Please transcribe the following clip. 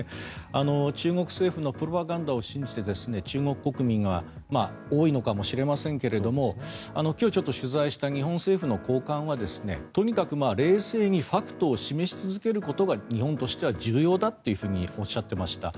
中国政府のプロパガンダを信じて中国国民が多いのかもしれませんけれども今日、ちょっと取材した日本政府の高官はとにかく冷静にファクトを示し続けることが日本としては重要だというふうにおっしゃっていました。